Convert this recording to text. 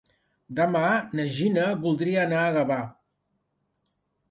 Demà na Gina voldria anar a Gavà.